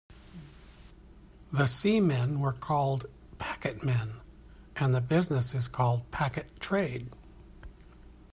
The seamen are called packetmen, and the business is called packet trade.